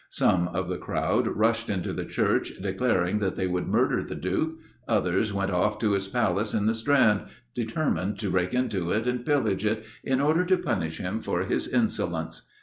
Some of the crowd rushed into the church, declaring that they would murder the Duke; others went off to his Palace in the Strand, determined to break into it and pillage it, in order to punish him for his insolence.